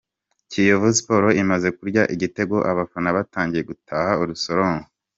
Kiyovu Sport imaze kurya igitego abafana batangiye gutaha urusorongo.